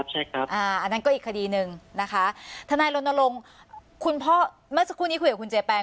ใช่ครับอันที่๑๑หนึ่งนะคะท่านโลกคุณพ่อเมื่อพูดอย่าคุณใจแปลง